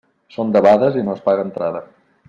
Són debades i no es paga entrada.